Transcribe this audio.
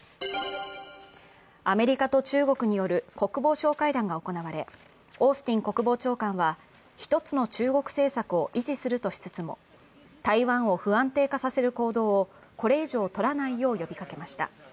アメリカと中国による国防相会談が行われオースティン国防長官は、一つの中国政策を維持するとしつつも、台湾を不安定化させる行動をこれ以上とらないよう呼びかけました。